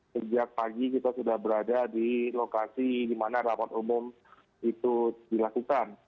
sejak pagi kita sudah berada di lokasi di mana rapat umum itu dilakukan